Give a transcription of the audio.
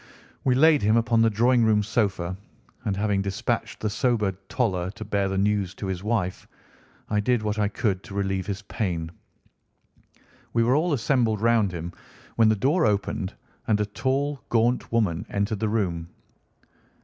We laid him upon the drawing room sofa, and having dispatched the sobered Toller to bear the news to his wife, I did what I could to relieve his pain. We were all assembled round him when the door opened, and a tall, gaunt woman entered the room.